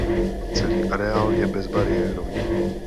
Celý areál je bezbariérový.